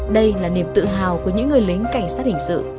đây là niềm tự hào của những người lính cảnh sát hình sự